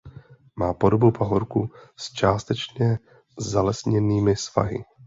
Má podobu pahorku s částečně zalesněnými svahy.